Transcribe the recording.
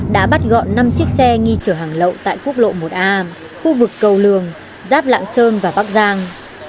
đã bắt gọn năm chiếc xe nghi chở hàng lậu tại quốc lộ một a khu vực cầu lường giáp lạng sơn và bắc giang